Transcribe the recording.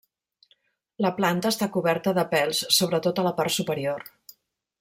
La planta està coberta de pèls, sobretot a la part superior.